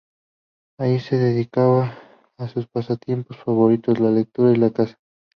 Allí se dedicaba a sus pasatiempos favoritos, la lectura y la caza.